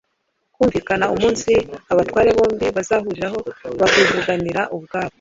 bumvikana umunsi abatware bombi bazahuriraho bakivuganira ubwabo